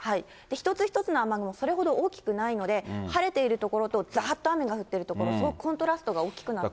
一つ一つの雨雲はそれほど大きくないので晴れている所と、ざーっと雨が降っているところ、すごくコントラストが大きくなっている。